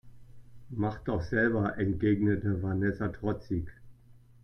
Mach doch selber, entgegnete Vanessa trotzig.